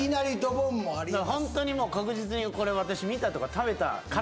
ホントにもう確実に「これ私見た」とか「食べた」からいこう